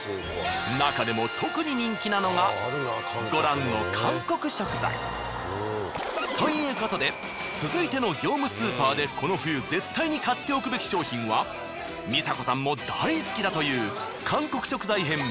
なかでも特に人気なのがご覧のということで続いての業務スーパーでこの冬絶対に買っておくべき商品は美佐子さんも大好きだという韓国食材編